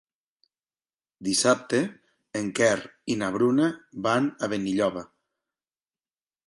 Dissabte en Quer i na Bruna van a Benilloba.